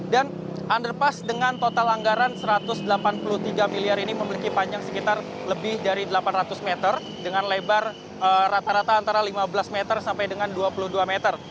dan underpass dengan total anggaran rp satu ratus delapan puluh tiga miliar ini memiliki panjang sekitar lebih dari delapan ratus meter dengan lebar rata rata antara lima belas meter sampai dengan dua puluh dua meter